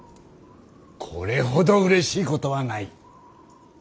これほどうれしいことはない。